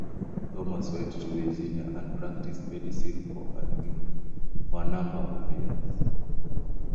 Thomas went to Virginia and practiced medicine for a number of years.